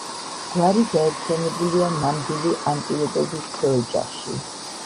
გვარი გაერთიანებულია ნამდვილი ანტილოპების ქვეოჯახში.